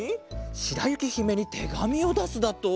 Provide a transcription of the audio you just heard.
しらゆきひめにてがみをだすだと？